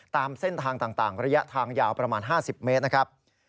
ตามเส้นทางต่างระยะทางยาวประมาณ๕๐เมตรนะครับ